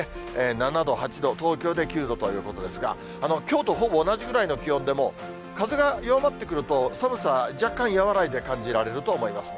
７度、８度、東京で９度ということですが、きょうとほぼ同じぐらいの気温でも、風が弱まってくると、寒さ、若干和らいで感じられると思います。